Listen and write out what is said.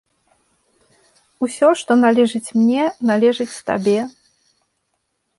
Усё, што належыць мне, належыць табе.